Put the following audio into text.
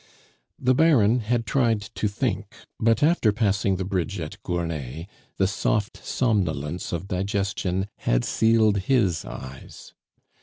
The Baron had tried to think; but after passing the bridge at Gournay, the soft somnolence of digestion had sealed his eyes.